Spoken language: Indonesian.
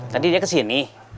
tadi dia kesini